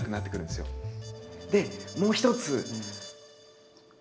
でもう一つ。